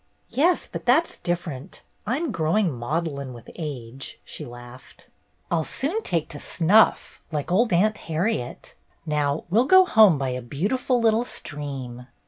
"Yes, but that's different. I'm growing maudlin with age," she laughed. " I 'll soon take to snuff, like old Aunt Harriet. Now we'll go home by a beautiful little stream."